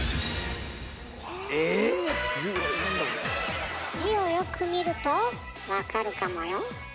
ええ⁉字をよく見ると分かるかもよ？